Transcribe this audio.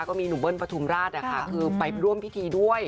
ก็มีหนุ่มเบิ้ลปฐุมราชคือไปร่วมพิธีด้วย